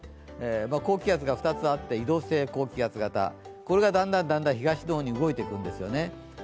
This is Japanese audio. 高気圧が２つあって、移動性高気圧型、これがだんだん東の方に動いていくんですよね。